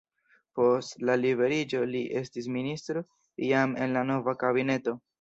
Post la liberiĝo li estis ministro jam en la nova kabineto.